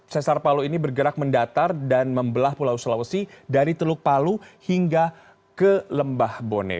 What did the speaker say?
sesar palu ini bergerak mendatar dan membelah pulau sulawesi dari teluk palu hingga ke lembah bone